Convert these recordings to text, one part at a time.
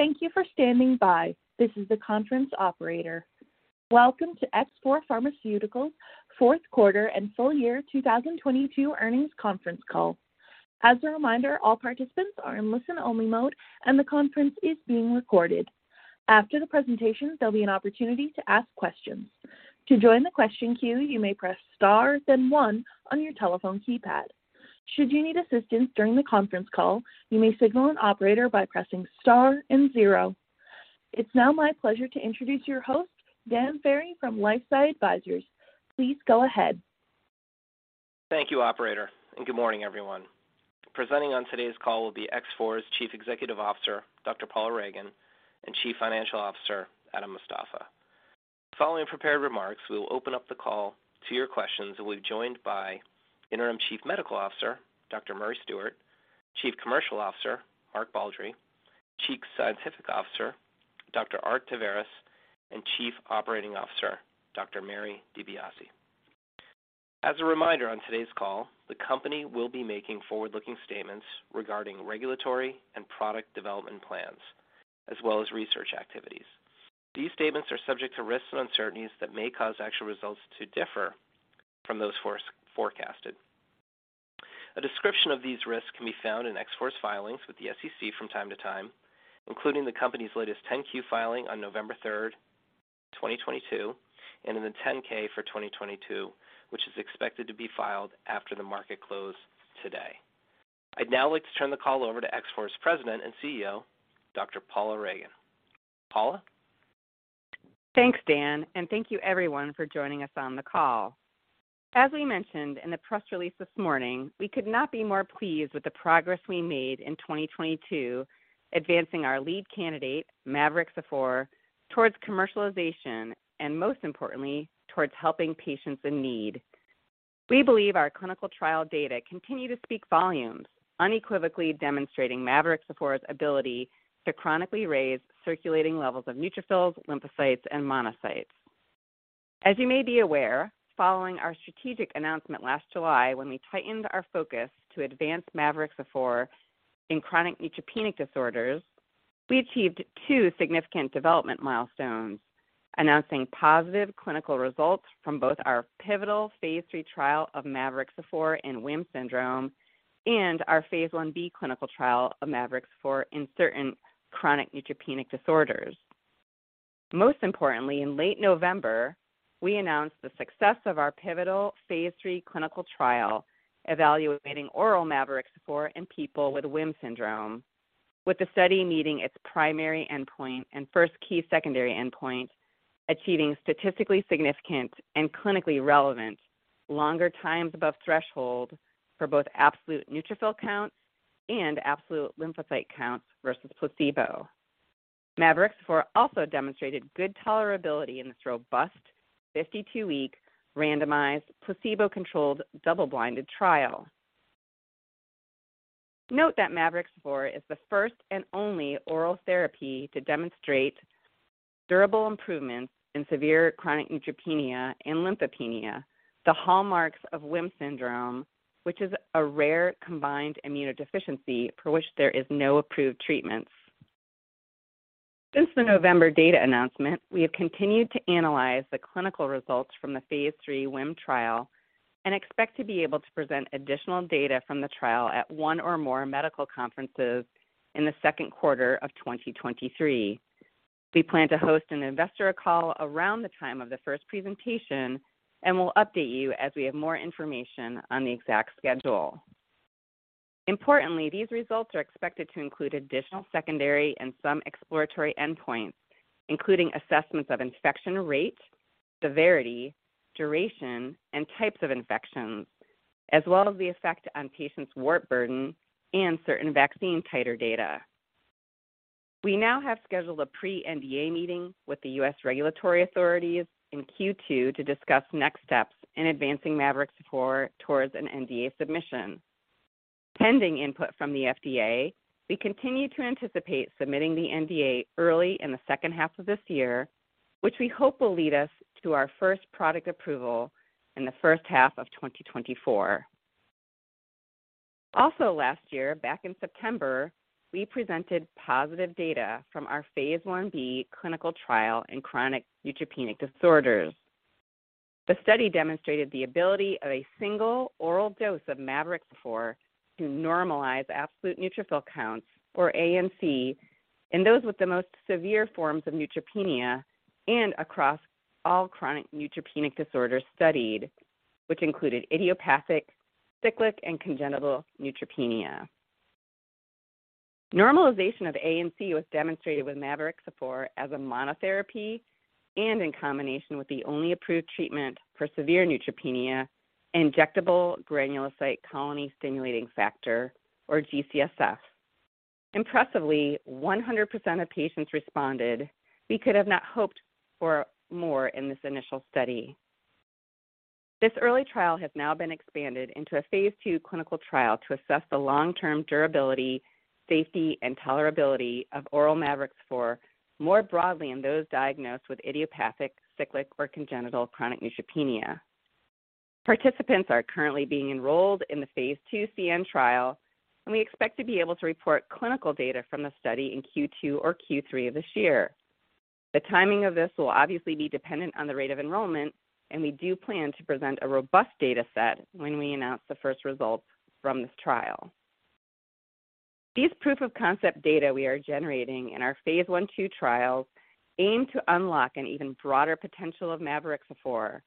Thank you for standing by. This is the conference operator. Welcome to X4 Pharmaceuticals' Fourth Quarter and Full Year 2022 earnings conference call. As a reminder, all participants are in listen-only mode, and the conference is being recorded. After the presentation, there'll be an opportunity to ask questions. To join the question queue, you may press star then one on your telephone keypad. Should you need assistance during the conference call, you may signal an operator by pressing star and zero. It's now my pleasure to introduce your host, Dan Ferry from LifeSci Advisors. Please go ahead. Thank you, operator, and good morning, everyone. Presenting on today's call will be X4's Chief Executive Officer, Dr. Paula Ragan, and Chief Financial Officer, Adam Mostafa. Following prepared remarks, we will open up the call to your questions, and we're joined by Interim Chief Medical Officer, Dr. Murray Stewart, Chief Commercial Officer, Mark Baldry, Chief Scientific Officer, Dr. Art Taveras, and Chief Operating Officer, Dr. Mary DiBiase. As a reminder, on today's call, the company will be making forward-looking statements regarding regulatory and product development plans, as well as research activities. These statements are subject to risks and uncertainties that may cause actual results to differ from those forecasted. A description of these risks can be found in X4's filings with the SEC from time to time, including the company's latest 10-Q filing on November 3rd, 2022, and in the 10-K for 2022, which is expected to be filed after the market close today. I'd now like to turn the call over to X4's President and CEO, Dr. Paula Ragan. Paula? Thanks, Dan, and thank you everyone for joining us on the call. As we mentioned in the press release this morning, we could not be more pleased with the progress we made in 2022 advancing our lead candidate, mavorixafor, towards commercialization and, most importantly, towards helping patients in need. We believe our clinical trial data continue to speak volumes, unequivocally demonstrating mavorixafor's ability to chronically raise circulating levels of neutrophils, lymphocytes, and monocytes. As you may be aware, following our strategic announcement last July when we tightened our focus to advance mavorixafor in chronic neutropenic disorders, we achieved two significant development milestones, announcing positive clinical results from both our pivotal phase III trial of mavorixafor in WHIM syndrome and our phase I-B clinical trial of mavorixafor in certain chronic neutropenic disorders. Most importantly, in late November, we announced the success of our pivotal phase III clinical trial evaluating oral mavorixafor in people with WHIM syndrome, with the study meeting its primary endpoint and first key secondary endpoint, achieving statistically significant and clinically relevant longer times above threshold for both absolute neutrophil counts and absolute lymphocyte counts versus placebo. Mavorixafor also demonstrated good tolerability in this robust 52-week randomized, placebo-controlled, double-blinded trial. Note that mavorixafor is the first and only oral therapy to demonstrate durable improvements in severe chronic neutropenia and lymphopenia, the hallmarks of WHIM syndrome, which is a rare combined immunodeficiency for which there is no approved treatments. Since the November data announcement, we have continued to analyze the clinical results from the phase III WHIM trial and expect to be able to present additional data from the trial at one or more medical conferences in the second quarter of 2023. We plan to host an investor call around the time of the first presentation and will update you as we have more information on the exact schedule. Importantly, these results are expected to include additional secondary and some exploratory endpoints, including assessments of infection rate, severity, duration, and types of infections, as well as the effect on patients' wart burden and certain vaccine titer data. We now have scheduled a pre-NDA meeting with the U.S. regulatory authorities in Q2 to discuss next steps in advancing mavorixafor towards an NDA submission. Pending input from the FDA, we continue to anticipate submitting the NDA early in the second half of this year, which we hope will lead us to our first product approval in the first half of 2024. Last year, back in September, we presented positive data from our phase I-B clinical trial in chronic neutropenic disorders. The study demonstrated the ability of a single oral dose of mavorixafor to normalize absolute neutrophil counts, or ANC, in those with the most severe forms of neutropenia and across all chronic neutropenic disorders studied, which included idiopathic, cyclic, and congenital neutropenia. Normalization of ANC was demonstrated with mavorixafor as a monotherapy and in combination with the only approved treatment for severe neutropenia, injectable granulocyte colony-stimulating factor, or GCSF. Impressively, 100% of patients responded. We could have not hoped for more in this initial study. This early trial has now been expanded into a phase II clinical trial to assess the long-term durability, safety, and tolerability of oral mavorixafor more broadly in those diagnosed with idiopathic, cyclic, or congenital chronic neutropenia. Participants are currently being enrolled in the phase II CN trial, we expect to be able to report clinical data from the study in Q2 or Q3 of this year. The timing of this will obviously be dependent on the rate of enrollment, we do plan to present a robust data set when we announce the first results from this trial. These proof-of-concept data we are generating in our phase I, II trials aim to unlock an even broader potential of mavorixafor,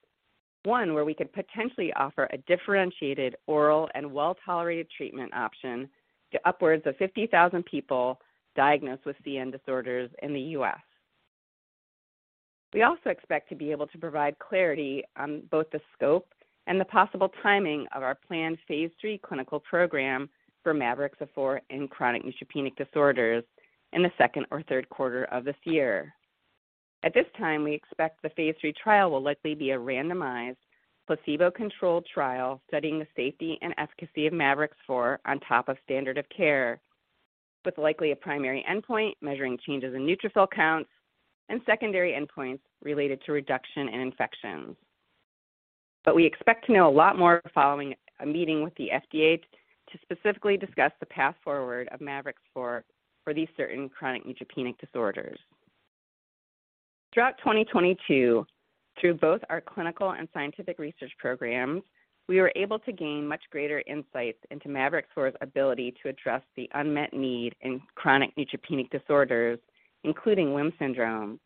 one where we could potentially offer a differentiated oral and well-tolerated treatment option to upwards of 50,000 people diagnosed with CN disorders in the U.S. We also expect to be able to provide clarity on both the scope and the possible timing of our planned phase III clinical program for mavorixafor in chronic neutropenic disorders in the 2nd or 3rd quarter of this year. At this time, we expect the phase III trial will likely be a randomized, placebo-controlled trial studying the safety and efficacy of mavorixafor on top of standard of care, with likely a primary endpoint measuring changes in neutrophil counts and secondary endpoints related to reduction in infections. We expect to know a lot more following a meeting with the FDA to specifically discuss the path forward of mavorixafor for these certain chronic neutropenic disorders. Throughout 2022, through both our clinical and scientific research programs, we were able to gain much greater insights into mavorixafor's ability to address the unmet need in chronic neutropenic disorders, including WHIM syndrome.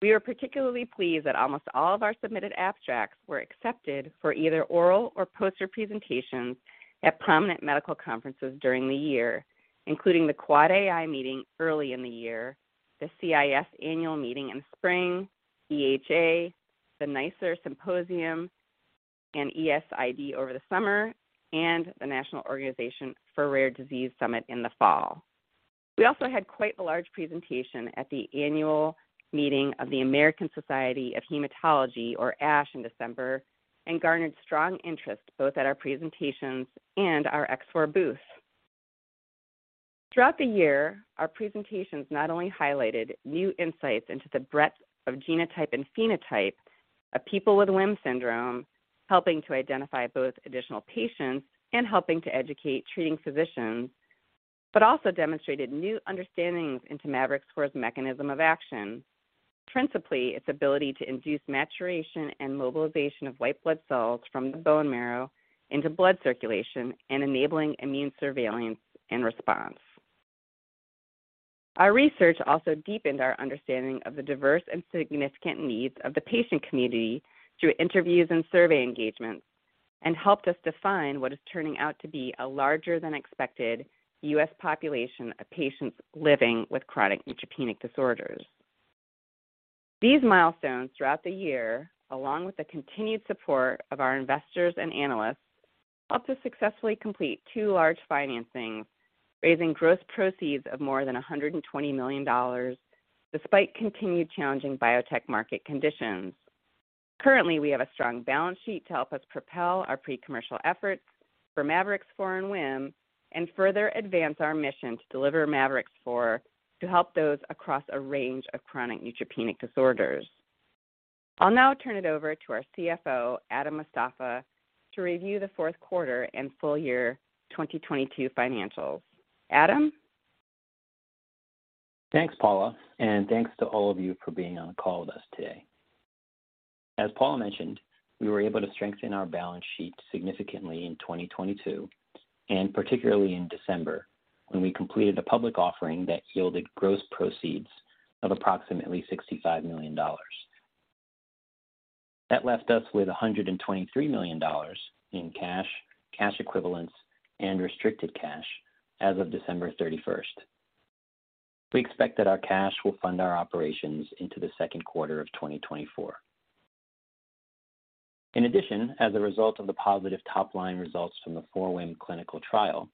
We are particularly pleased that almost all of our submitted abstracts were accepted for either oral or poster presentations at prominent medical conferences during the year, including the AAAAI meeting early in the year, the CIS annual meeting in spring, EHA, the NICER Symposium, and ESID over the summer, and the National Organization for Rare Disorders Summit in the fall. We also had quite the large presentation at the annual meeting of the American Society of Hematology, or ASH, in December, garnered strong interest both at our presentations and our X4 booth. Throughout the year, our presentations not only highlighted new insights into the breadth of genotype and phenotype of people with WHIM syndrome, helping to identify both additional patients and helping to educate treating physicians, but also demonstrated new understandings into mavorixafor's mechanism of action, principally its ability to induce maturation and mobilization of white blood cells from the bone marrow into blood circulation and enabling immune surveillance and response. Our research also deepened our understanding of the diverse and significant needs of the patient community through interviews and survey engagements, and helped us define what is turning out to be a larger than expected U.S. population of patients living with chronic neutropenic disorders. These milestones throughout the year, along with the continued support of our investors and analysts, helped us successfully complete two large financings, raising gross proceeds of more than $120 million despite continued challenging biotech market conditions. Currently, we have a strong balance sheet to help us propel our pre-commercial efforts for mavorixafor and WHIM, and further advance our mission to deliver mavorixafor to help those across a range of chronic neutropenic disorders. I'll now turn it over to our CFO, Adam Mostafa, to review the fourth quarter and full year 2022 financials. Adam? Thanks, Paula. Thanks to all of you for being on the call with us today. As Paula mentioned, we were able to strengthen our balance sheet significantly in 2022, particularly in December, when we completed a public offering that yielded gross proceeds of approximately $65 million. That left us with $123 million in cash equivalents, and restricted cash as of December 31st. We expect that our cash will fund our operations into the second quarter of 2024. In addition, as a result of the positive top-line results from the 4WHIM clinical trial,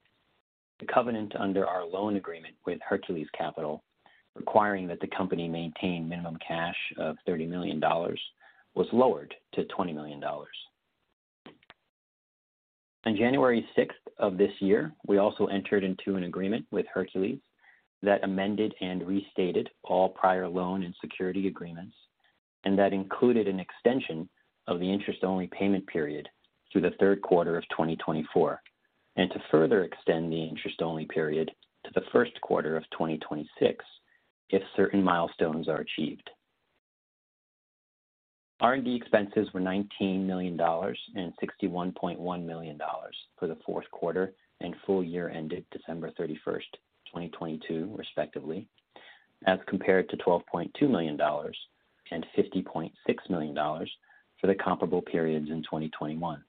the covenant under our loan agreement with Hercules Capital, requiring that the company maintain minimum cash of $30 million, was lowered to $20 million. On January 6th of this year, we also entered into an agreement with Hercules that amended and restated all prior loan and security agreements, that included an extension of the interest-only payment period through the third quarter of 2024, and to further extend the interest-only period to the first quarter of 2026 if certain milestones are achieved. R&D expenses were $19 million and $61.1 million for the fourth quarter and full year ended December 31st, 2022, respectively, as compared to $12.2 million and $50.6 million for the comparable periods in 2021.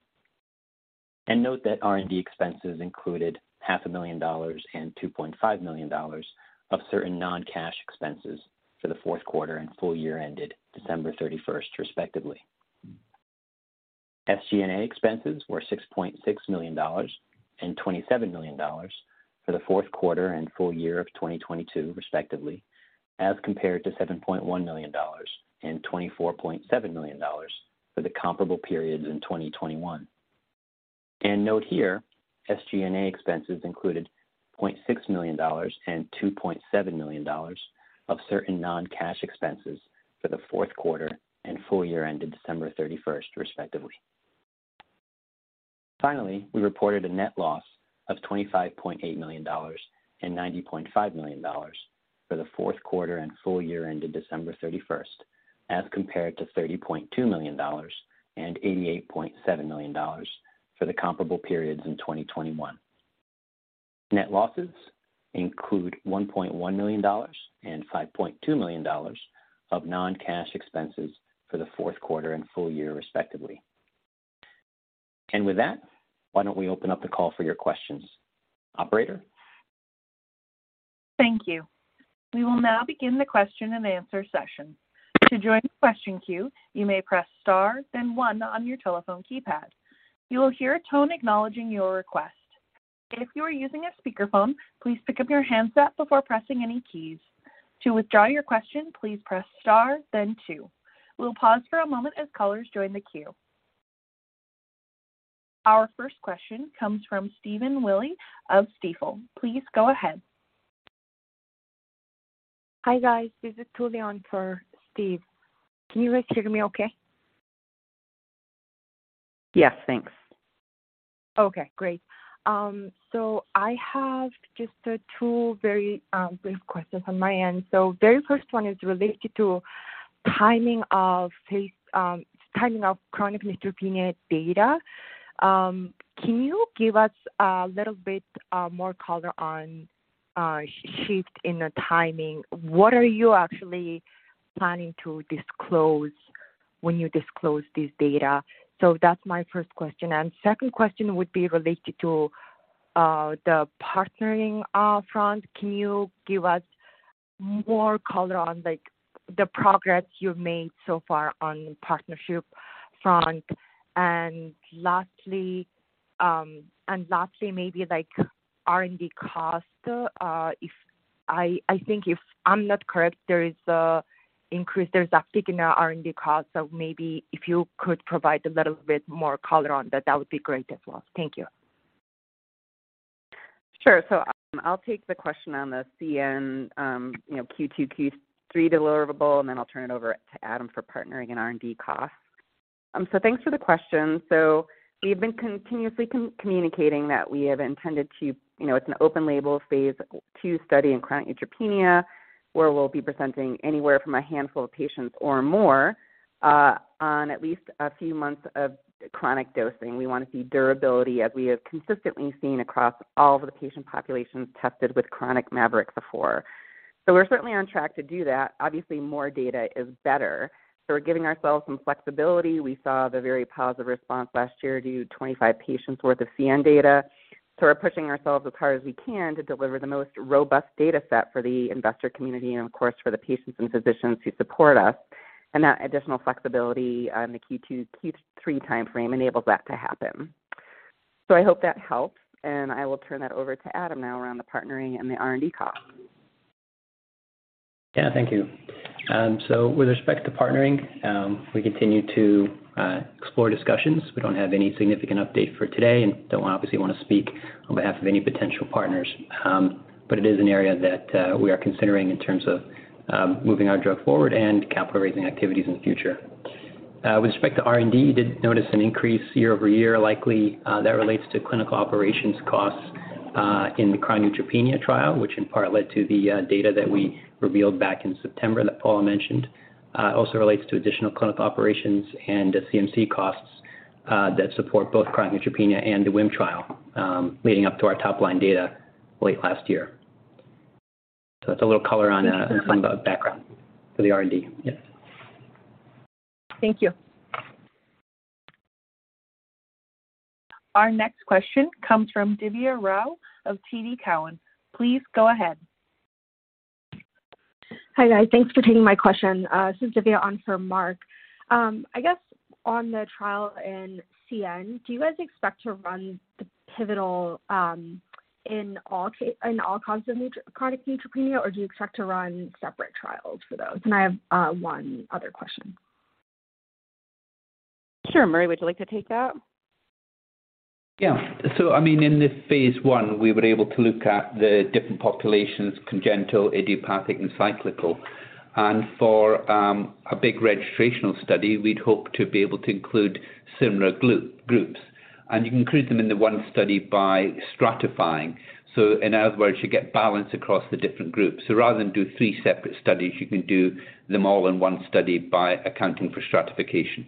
Note that R&D expenses included $500,000 and $2.5 million of certain non-cash expenses for the fourth quarter and full year ended December 31st, respectively. SG&A expenses were $6.6 million and $27 million for the fourth quarter and full year of 2022, respectively, as compared to $7.1 million and $24.7 million for the comparable periods in 2021. Note here, SG&A expenses included $0.6 million and $2.7 million of certain non-cash expenses for the fourth quarter and full year ended December 31st, respectively. Finally, we reported a net loss of $25.8 million and $90.5 million for the fourth quarter and full year ended December 31st, as compared to $30.2 million and $88.7 million for the comparable periods in 2021. Net losses include $1.1 million and $5.2 million of non-cash expenses for the fourth quarter and full year, respectively. With that, why don't we open up the call for your questions? Operator? Thank you. We will now begin the question and answer session. To join the question queue, you may press star then one on your telephone keypad. You will hear a tone acknowledging your request. If you are using a speakerphone, please pick up your handset before pressing any keys. To withdraw your question, please press star then two. We'll pause for a moment as callers join the queue. Our first question comes from Stephen Willey of Stifel. Please go ahead. Hi, guys. This is Tuleon for Steve. Can you guys hear me okay? Yes. Thanks. Okay, great. I have just two very brief questions on my end. Very first one is related to timing of phase, timing of chronic neutropenia data. Can you give us a little bit more color on shift in the timing? What are you actually planning to disclose when you disclose this data? That's my first question. Second question would be related to the partnering front. Can you give us more color on, like, the progress you've made so far on partnership front? Lastly, maybe like R&D cost. I think if I'm not correct, there is a increase. There's a peak in the R&D cost. Maybe if you could provide a little bit more color on that would be great as well. Thank you. Sure. I'll take the question on the CN, you know, Q2, Q3 deliverable, and then I'll turn it over to Adam for partnering and R&D costs. Thanks for the question. We've been continuously communicating that we have intended to, you know, it's an open label phase II study in chronic neutropenia, where we'll be presenting anywhere from a handful of patients or more, on at least a few months of chronic dosing. We wanna see durability as we have consistently seen across all the patient populations tested with chronic mavorixafor. We're certainly on track to do that. Obviously, more data is better, so we're giving ourselves some flexibility. We saw the very positive response last year due to 25 patients worth of CN data. We're pushing ourselves as hard as we can to deliver the most robust data set for the investor community and of course, for the patients and physicians who support us. That additional flexibility on the Q2, Q3 timeframe enables that to happen. I hope that helps, and I will turn that over to Adam now around the partnering and the R&D costs. Thank you. With respect to partnering, we continue to explore discussions. We don't have any significant update for today and don't obviously want to speak on behalf of any potential partners. It is an area that we are considering in terms of moving our drug forward and capital raising activities in the future. With respect to R&D, you did notice an increase year-over-year. Likely, that relates to clinical operations costs in the chronic neutropenia trial, which in part led to the data that we revealed back in September that Paula mentioned. It also relates to additional clinical operations and CMC costs that support both chronic neutropenia and the WHIM trial leading up to our top-line data late last year. That's a little color on some of the background for the R&D. Yes. Thank you. Our next question comes from Divya Rao of TD Cowen. Please go ahead. Hi, guys. Thanks for taking my question. This is Divya on for Mark. I guess on the trial in CN, do you guys expect to run the pivotal in all causes of chronic neutropenia, or do you expect to run separate trials for those? I have one other question. Sure. Murray, would you like to take that? Yeah. I mean, in the phase I, we were able to look at the different populations, congenital, idiopathic, and cyclical. For a big registrational study, we'd hope to be able to include similar groups. You can include them in the one study by stratifying. In other words, you get balance across the different groups. Rather than do three separate studies, you can do them all in one study by accounting for stratification.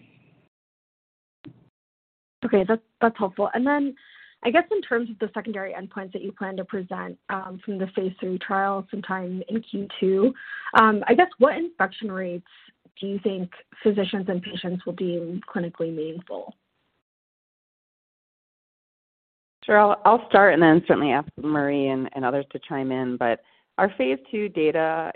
Okay. That's helpful. I guess in terms of the secondary endpoints that you plan to present from the phase III trial sometime in Q2, I guess what infection rates do you think physicians and patients will deem clinically meaningful? Sure. I'll start and then certainly ask Murray and others to chime in. Our phase II data,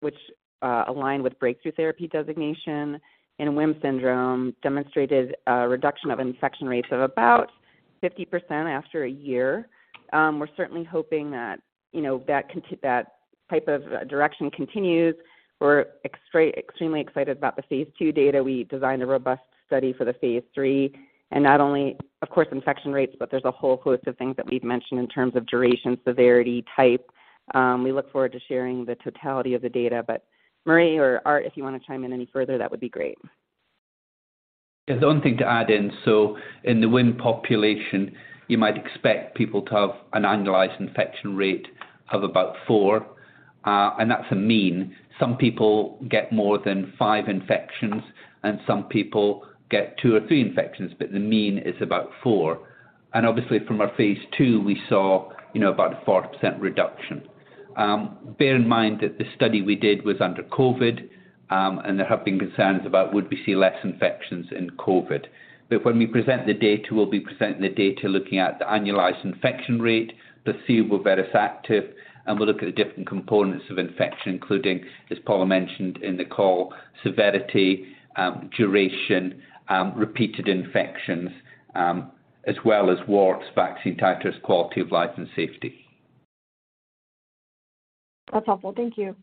which aligned with Breakthrough Therapy Designation in WHIM syndrome, demonstrated a reduction of infection rates of about 50% after a year. We're certainly hoping that, you know, that type of direction continues. We're extremely excited about the phase II data. We designed a robust study for the phase III, not only, of course, infection rates, but there's a whole host of things that we've mentioned in terms of duration, severity, type. We look forward to sharing the totality of the data. Murray or Art, if you wanna chime in any further, that would be great. The only thing to add in, so in the WHIM population, you might expect people to have an annualized infection rate of about four, and that's a mean. Some people get more than five infections, and some people get two or three infections, but the mean is about four. Obviously, from our phase II, we saw, you know, about a 4% reduction. Bear in mind that the study we did was under COVID, and there have been concerns about would we see less infections in COVID. When we present the data, we'll be presenting the data looking at the annualized infection rate to see we're very effective, and we'll look at the different components of infection, including, as Paula mentioned in the call, severity, duration, repeated infections, as well as warts, vaccine titers, quality of life, and safety. That's helpful. Thank you.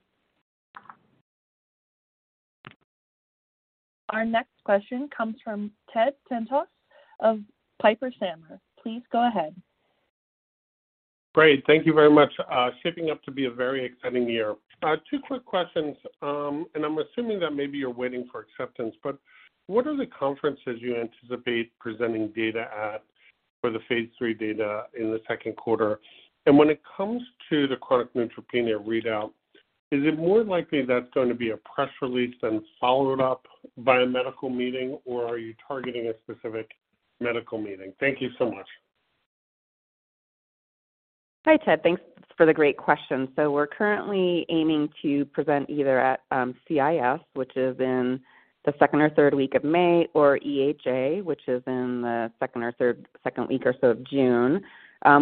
Our next question comes from Ted Tenthoff of Piper Sandler. Please go ahead. Great. Thank you very much. shaping up to be a very exciting year. two quick questions. I'm assuming that maybe you're waiting for acceptance, but what are the conferences you anticipate presenting data at for the phase III data in the second quarter? When it comes to the chronic neutropenia readout, is it more likely that's gonna be a press release then followed up by a medical meeting, or are you targeting a specific medical meeting? Thank you so much. Hi, Ted. Thanks for the great questions. We're currently aiming to present either at CIS, which is in the second or third week of May, or EHA, which is in the second or third week or so of June.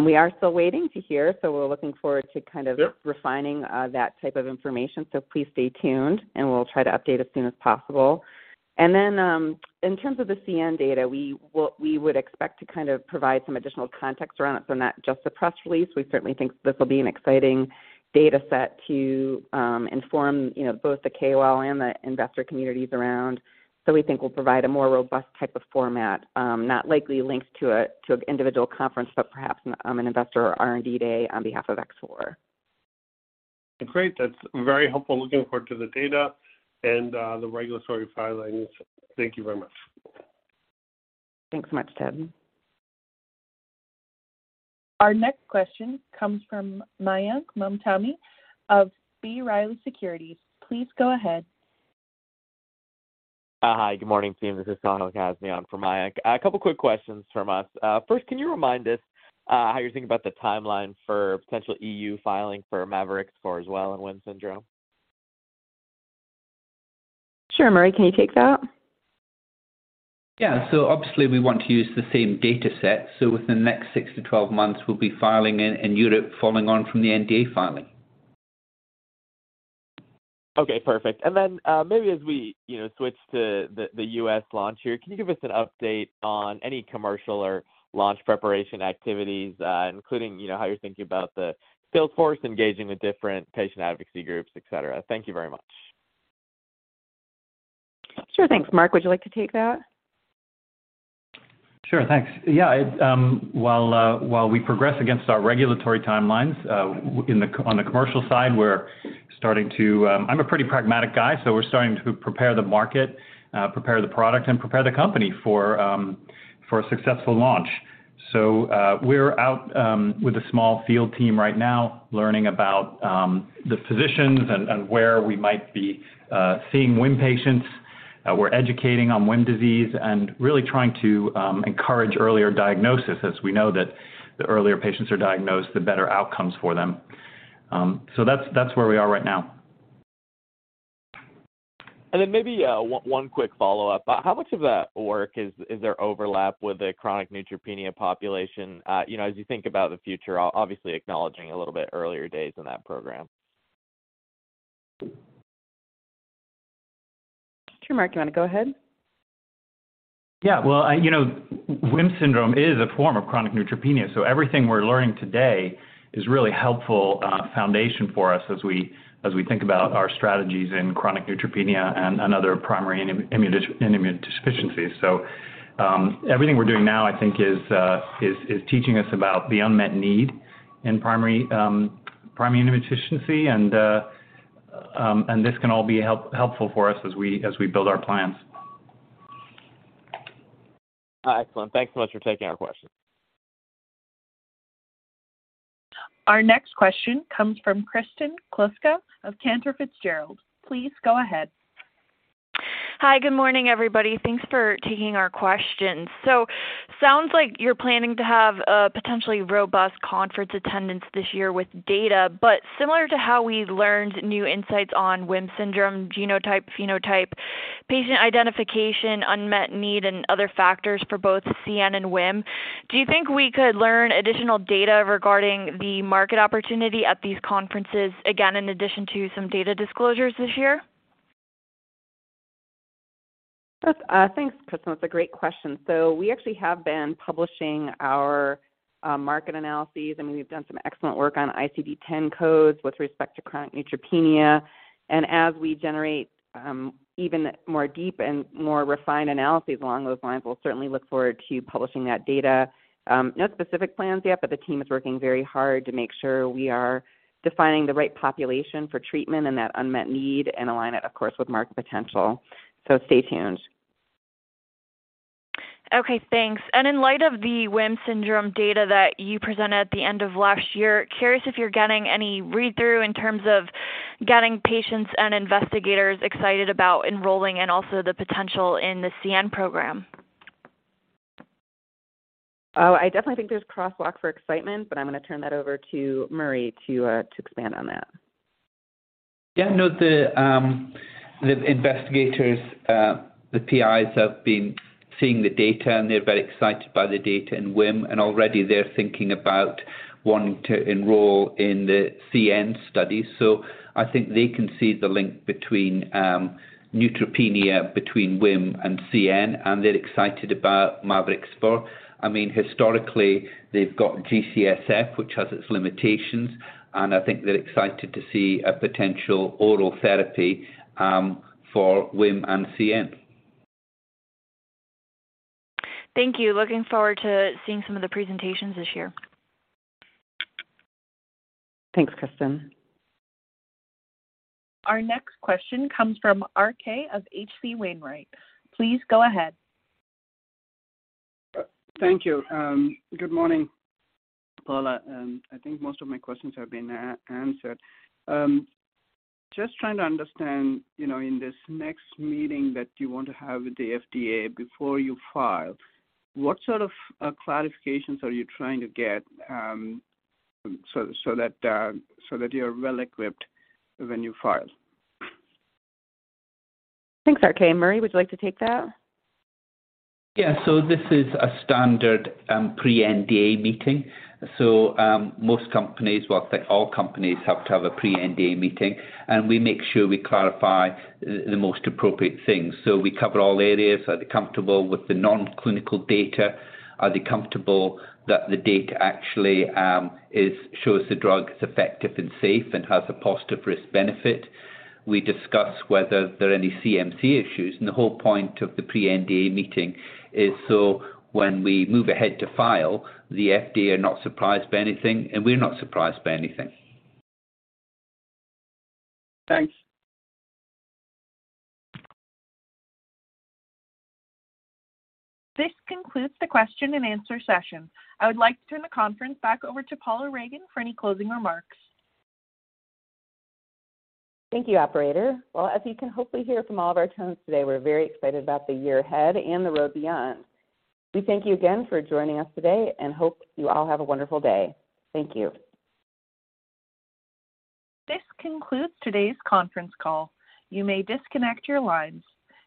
We are still waiting to hear, we're looking forward to kind of. Yep... refining that type of information. Please stay tuned, and we'll try to update as soon as possible. Then, in terms of the CN data, we would expect to kind of provide some additional context around it, so not just a press release. We certainly think this will be an exciting data set to inform, you know, both the KOL and the investor communities around. We think we'll provide a more robust type of format, not likely linked to an individual conference, but perhaps an investor or R&D day on behalf of X4. Great. That's very helpful. Looking forward to the data and the regulatory filings. Thank you very much. Thanks so much, Ted. Our next question comes from Mayank Mamtani of B. Riley Securities. Please go ahead. Hi. Good morning, team. This is [Donald Kazian] for Mayank. A couple quick questions from us. First, can you remind us how you're thinking about the timeline for potential EU filing for mavorixafor as well in WHIM syndrome? Sure. Murray Stewart, can you take that? Yeah. Obviously we want to use the same data set. Within the next six-2 months, we'll be filing in Europe, following on from the NDA filing. Okay, perfect. Maybe as we, you know, switch to the U.S. launch here, can you give us an update on any commercial or launch preparation activities, including, you know, how you're thinking about the sales force engaging with different patient advocacy groups, et cetera. Thank you very much. Sure. Thanks. Mark, would you like to take that? Sure. Thanks. Yeah. While we progress against our regulatory timelines, on the commercial side, we're starting to... I'm a pretty pragmatic guy, so we're starting to prepare the market, prepare the product and prepare the company for a successful launch. We're out with a small field team right now learning about the physicians and where we might be seeing WHIM patients. We're educating on WHIM disease and really trying to encourage earlier diagnosis, as we know that the earlier patients are diagnosed, the better outcomes for them. That's where we are right now. Maybe, one quick follow-up. How much of that work is there overlap with the chronic neutropenia population, you know, as you think about the future, obviously acknowledging a little bit earlier days in that program? Sure. Mark, you wanna go ahead? Yeah. Well, I, you know, WHIM syndrome is a form of chronic neutropenia, everything we're learning today is really helpful foundation for us as we, as we think about our strategies in chronic neutropenia and other primary immunodeficiencies. Everything we're doing now, I think, is teaching us about the unmet need in primary immunodeficiency. This can all be helpful for us as we, as we build our plans. Excellent. Thanks so much for taking our question. Our next question comes from Kristen Kluska of Cantor Fitzgerald. Please go ahead. Hi, good morning, everybody. Thanks for taking our questions. Sounds like you're planning to have a potentially robust conference attendance this year with data, similar to how we've learned new insights on WHIM syndrome, genotype, phenotype, patient identification, unmet need, and other factors for both CN and WHIM, do you think we could learn additional data regarding the market opportunity at these conferences, again, in addition to some data disclosures this year? Yes, thanks, Kristen. That's a great question. We actually have been publishing our market analyses, and we've done some excellent work on ICD-10 codes with respect to chronic neutropenia. As we generate even more deep and more refined analyses along those lines, we'll certainly look forward to publishing that data. No specific plans yet, but the team is working very hard to make sure we are defining the right population for treatment and that unmet need and align it, of course, with market potential. Stay tuned. Okay, thanks. In light of the WHIM syndrome data that you presented at the end of last year, curious if you're getting any read-through in terms of getting patients and investigators excited about enrolling and also the potential in the CN program? Oh, I definitely think there's crosswalk for excitement, but I'm gonna turn that over to Murray to expand on that. The investigators, the PIs have been seeing the data, and they're very excited by the data in WHIM, and already they're thinking about wanting to enroll in the CN study. I think they can see the link between neutropenia between WHIM and CN, and they're excited about mavorixafor. I mean, historically, they've got GCSF, which has its limitations, and I think they're excited to see a potential oral therapy for WHIM and CN. Thank you. Looking forward to seeing some of the presentations this year. Thanks, Kristen. Our next question comes from RK of H.C. Wainwright. Please go ahead. Thank you. good morning, Paula. I think most of my questions have been answered. just trying to understand, you know, in this next meeting that you want to have with the FDA before you file, what sort of clarifications are you trying to get, so that you're well-equipped when you file? Thanks, RK. Murray, would you like to take that? This is a standard pre-NDA meeting. Most companies, well, I think all companies have to have a pre-NDA meeting, and we make sure we clarify the most appropriate things. We cover all areas. Are they comfortable with the non-clinical data? Are they comfortable that the data actually shows the drug is effective and safe and has a positive risk-benefit? We discuss whether there are any CMC issues. The whole point of the pre-NDA meeting is so when we move ahead to file, the FDA are not surprised by anything, and we're not surprised by anything. Thanks. This concludes the question-and-answer session. I would like to turn the conference back over to Paula Ragan for any closing remarks. Thank you, operator. As you can hopefully hear from all of our tones today, we're very excited about the year ahead and the road beyond. We thank you again for joining us today and hope you all have a wonderful day. Thank you. This concludes today's conference call. You may disconnect your lines.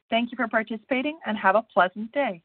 Thank you for participating, and have a pleasant day.